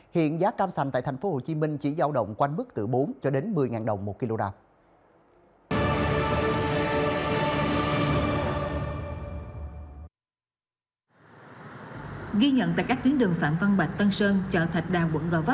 hiện giá cam sành tại thành phố hồ chí minh chỉ giao động quanh mức từ bốn cho đến một mươi đồng một kg